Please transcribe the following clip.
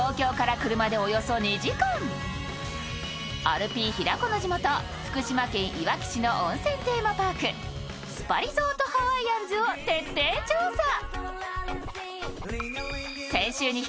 アルピー平子の地元、福島県いわき市の温泉テーマパークスパリゾートハワイアンズを徹底調査。